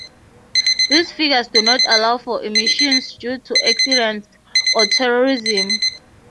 These figures do not allow for emissions due to accidents or terrorism.